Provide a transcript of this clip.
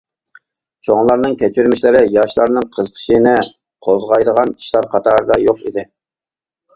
چوڭلارنىڭ كەچۈرمىشلىرى ياشلارنىڭ قىزىقىشىنى قوزغايدىغان ئىشلار قاتارىدا يوق ئىدى.